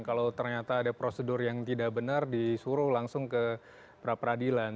kalau ternyata ada prosedur yang tidak benar disuruh langsung ke pra peradilan